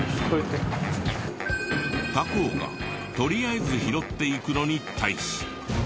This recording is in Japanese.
他校がとりあえず拾っていくのに対し。